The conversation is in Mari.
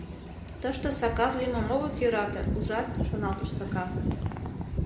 «Тыште Сакар лӱмым огыт йӧрате, ужат», — шоналтыш Сакар.